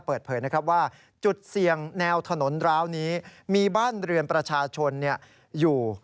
เปิดเผยนะครับว่าจุดเสี่ยงแนวถนนร้าวนี้มีบ้านเรือนประชาชนอยู่